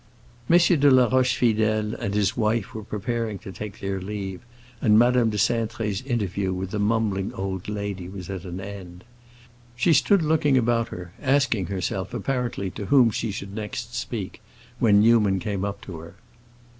M. de la Rochefidèle and his wife were preparing to take their leave, and Madame de Cintré's interview with the mumbling old lady was at an end. She stood looking about her, asking herself, apparently to whom she should next speak, when Newman came up to her.